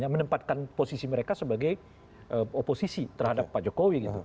menempatkan posisi mereka sebagai oposisi terhadap pak jokowi gitu